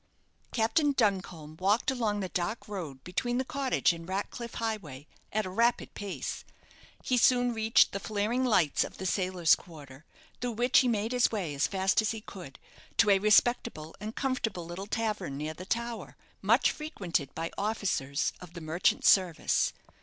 Captain Duncombe walked along the dark road between the cottage and Ratcliff Highway at a rapid pace. He soon reached the flaring lights of the sailors' quarter, through which he made his way as fast as he could to a respectable and comfortable little tavern near the Tower, much frequented by officers of the merchant service.